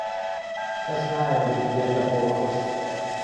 کەس نایەوێت ببێتە خۆبەخش.